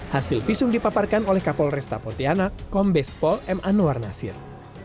hasil visum dipaparkan oleh kapolresta pontianak kombes pol m anwar nasir